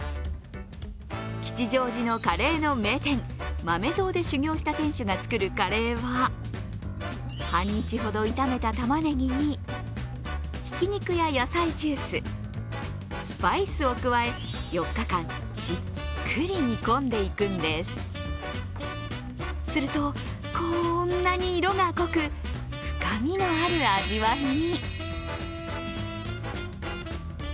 吉祥寺のカレーの名店、まめ蔵で修業した店主が作るカレーは半日ほど炒めたたまねぎにひき肉や野菜ジュース、スパイスを加え４日間じっくり煮込んでいくんですすると、こんなに色が濃く深みのある味わいに。